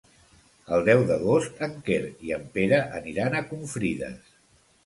El deu d'agost en Quer i en Pere aniran a Confrides.